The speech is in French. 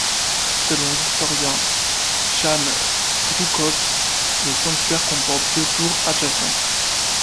Selon l'historien Jan Długosz, le sanctuaire comporte deux tours adjacentes.